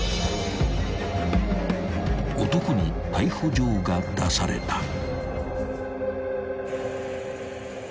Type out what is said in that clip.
［男に逮捕状が出された］